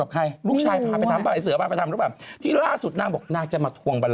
เขาดูหน้าอีกหน่อยนี่ชาติแตกหน้าตาผมหาไป